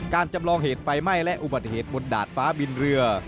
จำลองเหตุไฟไหม้และอุบัติเหตุบนดาดฟ้าบินเรือ